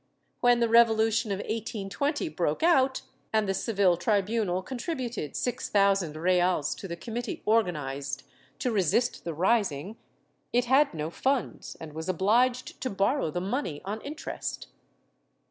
When the Revolution of 1820 broke out, and the Seville tribunal contributed six thousand reales to the committee organized to resist the rising, it had no funds and was oljliged to borrow the money on interest.